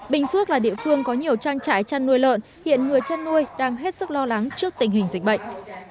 bình phước là địa phương có nhiều trang trại chăn nuôi lợn hiện người chăn nuôi đang hết sức lo lắng trước tình hình dịch bệnh